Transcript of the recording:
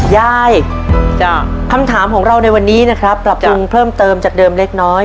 ยายคำถามของเราในวันนี้นะครับปรับปรุงเพิ่มเติมจากเดิมเล็กน้อย